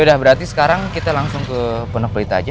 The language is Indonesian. yaudah berarti sekarang kita langsung ke poneg belita aja